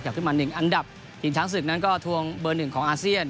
ขยับขึ้นมา๑อันดับทีมช้างศึกนั้นก็ทวงเบอร์๑ของอาเซียน